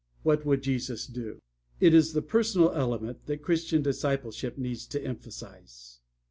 What would Jesus do? "It is the personal element that Christian discipleship needs to emphasize.